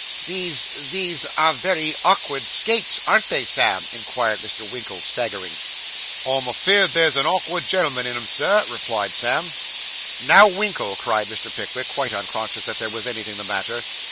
'These these are very awkward skates; ain't they, Sam?' inquired Mr. Winkle, staggering. 'I'm afeerd there's a orkard gen'l'm'n in 'em, Sir,' replied Sam. 'Now, Winkle,' cried Mr. Pickwick, quite unconscious that there was anything the matter.